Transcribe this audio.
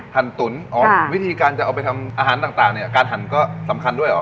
ตุ๋นอ๋อวิธีการจะเอาไปทำอาหารต่างเนี่ยการหั่นก็สำคัญด้วยเหรอ